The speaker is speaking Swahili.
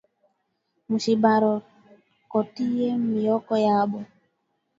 Mushibalokotiye mioko yabo